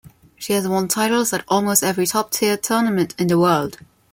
She has won titles at almost every top tier tournament in the world.